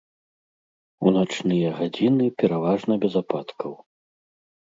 У начныя гадзіны пераважна без ападкаў.